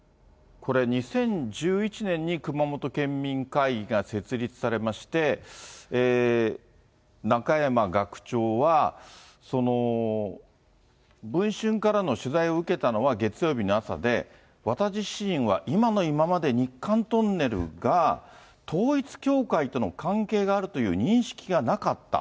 これ２０１１年に熊本県民会議が設立されまして、中山学長は、文春からの取材を受けたのは月曜日の朝で、私自身は今の今まで日韓トンネルが統一教会との関係があると認識がなかった。